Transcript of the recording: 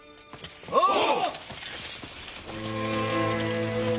おう！